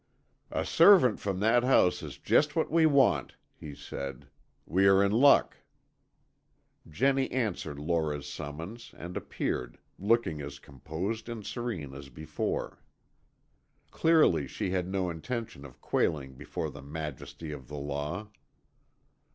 "A servant from that house is just what we want," he said. "We are in luck." Jennie answered Lora's summons, and appeared, looking as composed and serene as before. Clearly she had no intention of quailing before the majesty of the law.